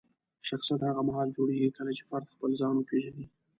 شخصیت هغه مهال جوړېږي کله چې فرد خپل ځان وپیژني.